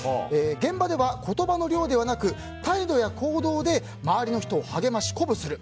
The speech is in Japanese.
現場では言葉の量ではなく態度や行動で周りの人を励まし、鼓舞する。